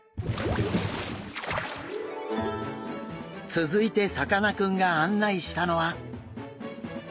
続いてさかなクンが案内したのは。